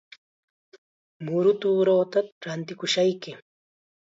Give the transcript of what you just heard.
Muru tuuruuta rantikushayki.